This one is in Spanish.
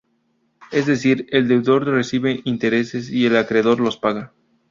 Es decir, el deudor recibe intereses y el acreedor los paga.